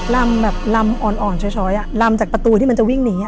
ลำแบบลำอ่อนช้อยลำจากประตูที่มันจะวิ่งหนี